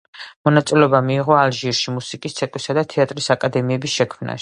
მონაწილეობა მიიღო ალჟირში მუსიკის, ცეკვისა და თეატრის აკადემიების შექმნაში.